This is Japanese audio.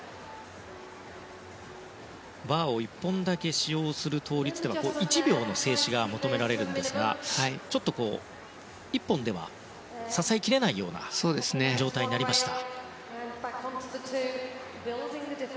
バーを１本だけ使用する倒立では１秒の静止が求められるんですが１本では支えきれないような状態になりました。